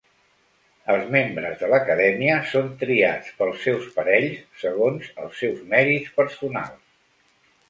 Els membres de l'Acadèmia són triats pels seus parells, segons els seus mèrits personals.